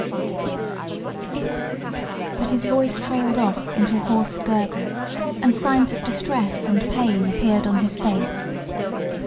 "It it's " but his voice trailed off into a hoarse gurgle, and signs of distress and pain appeared on his face.